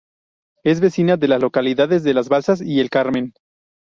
Es vecina de las localidades de Las Balsas y El Carmen.